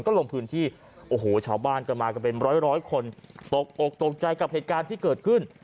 ก็ลงพื้นที่โอ้โหชาวบ้านก็มากันเป็นร้อยร้อยคนตกอกตกใจกับเหตุการณ์ที่เกิดขึ้น